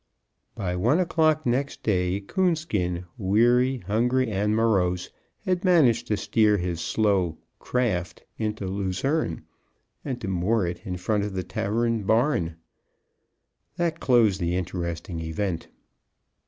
By one o'clock next day Coonskin, weary, hungry, and morose, had managed to steer his slow "craft" into Luzerne and to moor it in front of the tavern barn. That closed the interesting event.